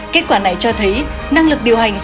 kết quả này cho thấy